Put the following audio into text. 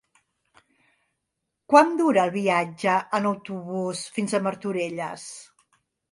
Quant dura el viatge en autobús fins a Martorelles?